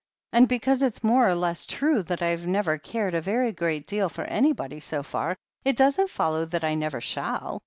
And because it's more or less true that I've never cared a very great deal for anybody so far, it doesn't follow that I never shall.